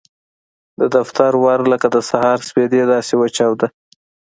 د دفتر ور لکه د سهار سپېدې داسې وچاوده.